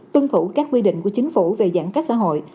tuân thủ các quy định của chính phủ về giãn cách xã hội